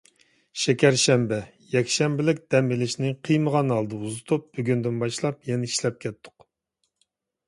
شېكەر شەنبە، يەكشەنبىلىك دەم ئېلىشنى قىيمىغان ھالدا ئۇزىتىپ، بۈگۈندىن باشلاپ يەنە ئىشلەپ كەتتۇق.